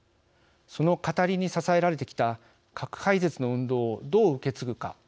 その語りに支えられてきた核廃絶の運動をどう受け継ぐか。